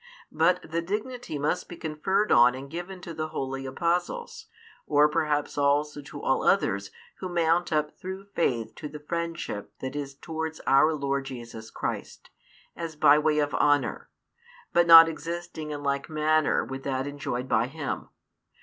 But the dignity must be conferred on and given to the holy Apostles, or perhaps also to all others who mount up through faith to the friendship that is towards our Lord Jesus Christ, as by way of honour, but not existing in like manner with that enjoyed by Him.